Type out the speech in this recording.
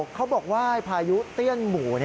เขาบอกว่าพายุเตี้ยนหมู